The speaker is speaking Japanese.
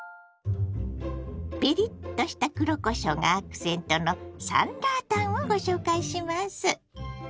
ピリッとした黒こしょうがアクセントの酸辣湯をご紹介します。